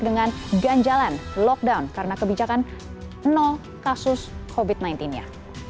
dengan ganjalan lockdown karena kebijakan kasus covid sembilan belas nya